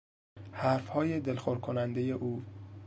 حرفهای دلخور کنندهی او